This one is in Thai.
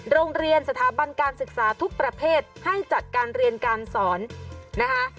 โรงเรียนสถาบันการศึกษาทุกประเภทให้จัดการเรียนการสอนนะคะ